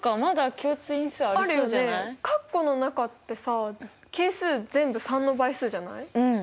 何かカッコの中ってさ係数全部３の倍数じゃない？